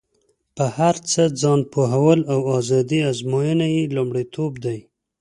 په هر څه ځان پوهول او ازادي ازموینه یې لومړیتوب دی.